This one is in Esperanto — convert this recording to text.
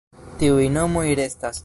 Tiuj nomoj restas.